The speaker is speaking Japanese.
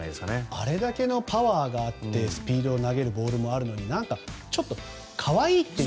あれだけのパワーがあってスピードを投げるボールもあるのに何かちょっと可愛いっていう。